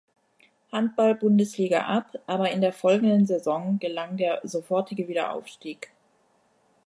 Handball-Bundesliga ab, aber in der folgenden Saison gelang der sofortige Wiederaufstieg.